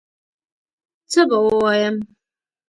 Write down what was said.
څه به ووایم